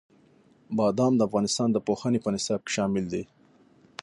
بادام د افغانستان د پوهنې په نصاب کې شامل دي.